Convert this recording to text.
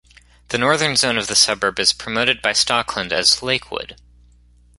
The northern zone of the suburb is promoted by Stockland as "Lakewood".